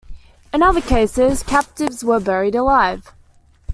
In other cases, captives were buried alive.